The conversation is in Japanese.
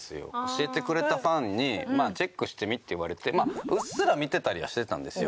教えてくれたファンにチェックしてみって言われてうっすら見てたりはしてたんですよ。